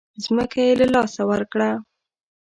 ځمکه یې له لاسه ورکړه.